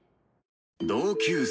同級生。